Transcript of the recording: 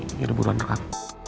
ini ada buruan rekam